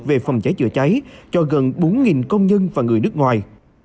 về phòng cháy chữa cháy cho gần bốn công nhân và người nước ngoài